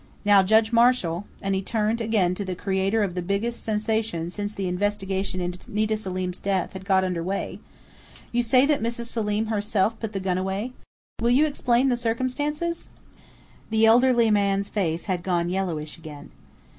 Now, Judge Marshall," and he turned again to the creator of the biggest sensation since the investigation into Nita Selim's death had got under way, "you say that Mrs. Selim herself put the gun away.... Will you explain the circumstances?" The elderly man's face had gone yellowish again.